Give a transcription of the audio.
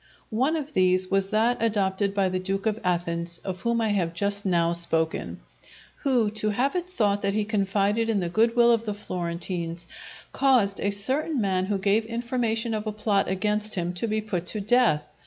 One of these was that adopted by the Duke of Athens, of whom I have just now spoken, who to have it thought that he confided in the goodwill of the Florentines, caused a certain man who gave information of a plot against him, to be put to death.